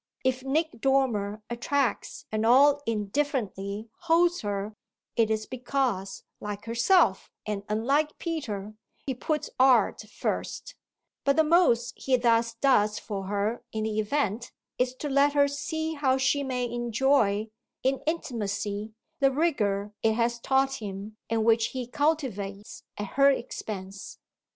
If Nick Dormer attracts and all indifferently holds her it is because, like herself and unlike Peter, he puts "art" first; but the most he thus does for her in the event is to let her see how she may enjoy, in intimacy, the rigour it has taught him and which he cultivates at her expense.